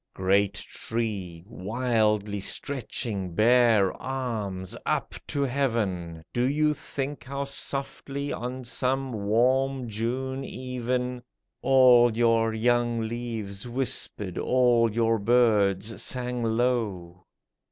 Great tree, wildly stretching bare arms up to heaven, Do you think how softly, on some warm June even, All your young leaves whispered, all your birds sang low.